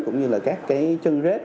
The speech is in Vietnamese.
cũng như là các chân rết